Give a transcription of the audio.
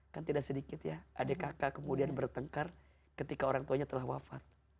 kan tidak sedikit ya adik kakak kemudian bertengkar ketika orang tuanya telah wafat